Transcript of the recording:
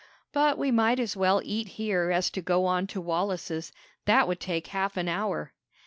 "But we might as well eat here as to go on to Wallace's. That would take half an hour."